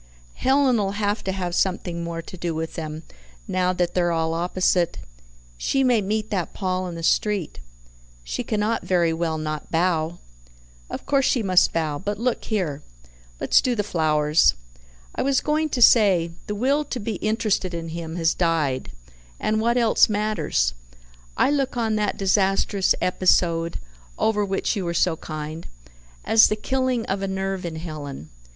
Helen'll HAVE to have something more to do with them, now that they're all opposite. She may meet that Paul in the street. She cannot very well not bow." "Of course she must bow. But look here; let's do the flowers. I was going to say, the will to be interested in him has died, and what else matters? I look on that disastrous episode (over which you were so kind) as the killing of a nerve in Helen.